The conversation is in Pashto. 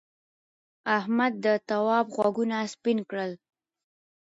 احمد د تواب غوږونه سپین کړل.